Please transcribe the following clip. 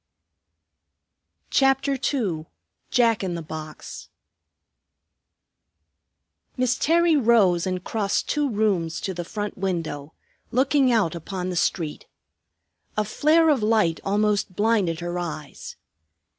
CHAPTER II JACK IN THE BOX Miss Terry rose and crossed two rooms to the front window, looking out upon the street. A flare of light almost blinded her eyes.